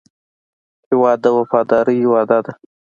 هېواد د وفادارۍ وعده ده.